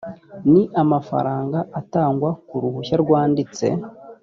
ni amafaranga atangwa ku ruhushya rwanditse